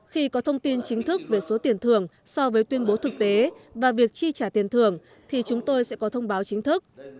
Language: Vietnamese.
khi có thông tin chính thức về số tiền thưởng so với tuyên bố thực tế và việc chi trả tiền thường thì chúng tôi sẽ có thông báo chính thức